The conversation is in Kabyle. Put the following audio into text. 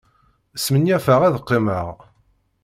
Smenyafeɣ ad qqimeɣ.